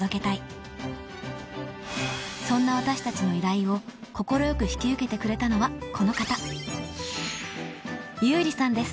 ［そんな私たちの依頼を快く引き受けてくれたのはこの方］